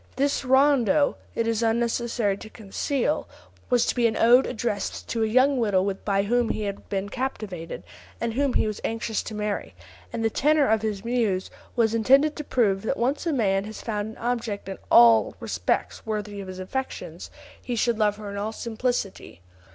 This rondo, it is unnecessary to conceal, was to be an ode addressed to a young widow by whom he had been captivated, and whom he was anxious to marry, and the tenor of his muse was intended to prove that when once a man has found an object in all respects worthy of his affections, he should love her "in all simplicity."